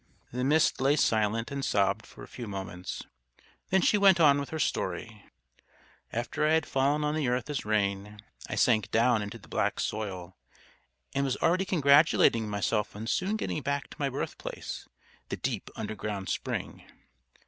The Mist lay silent and sobbed for a few moments. Then she went on with her story: "After I had fallen on the earth as rain, I sank down into the black soil, and was already congratulating myself on soon getting back to my birthplace, the deep underground spring.